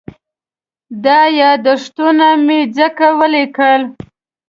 دا یادښتونه مې ځکه وليکل.